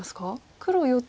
黒４つ